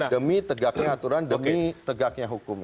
demi tegaknya aturan demi tegaknya hukum